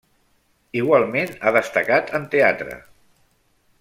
Igualment ha destacat en teatre.